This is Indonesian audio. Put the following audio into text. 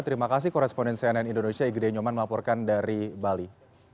terima kasih koresponden cnn indonesia igd nyoman melaporkan dari bali